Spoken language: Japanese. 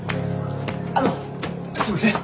あのすいません。